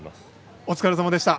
お疲れさまでした。